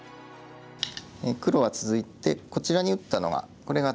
黒は続いてこちらに打ったのがこれが分断の手筋で。